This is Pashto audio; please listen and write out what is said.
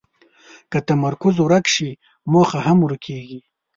که تمرکز ورک شي، موخه هم ورکېږي.